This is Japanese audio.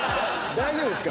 大丈夫です。